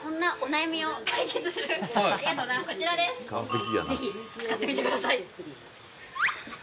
ぜひ使ってみてください。